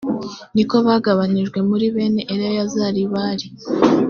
ni ko bagabanijwe muri bene eleyazari bari